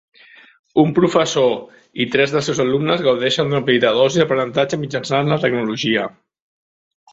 Un professor i tres dels seus alumnes gaudeixen d'una petita dosi d'aprenentatge mitjançant la tecnologia.